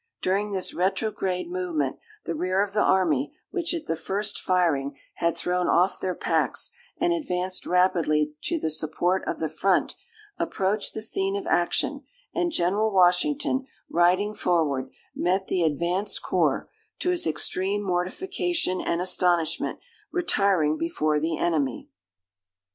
During this retrograde movement, the rear of the army, which at the first firing had thrown off their packs, and advanced rapidly to the support of the front, approached the scene of action; and General Washington, riding forward, met the advanced corps, to his extreme mortification and astonishment, retiring before the enemy.